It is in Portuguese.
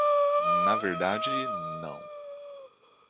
Na verdade, não.